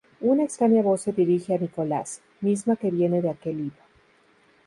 Una extraña voz se dirige a Nicolás, misma que viene de aquel libro.